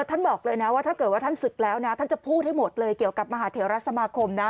ท่านบอกเลยนะว่าถ้าเกิดว่าท่านศึกแล้วนะท่านจะพูดให้หมดเลยเกี่ยวกับมหาเทวรัฐสมาคมนะ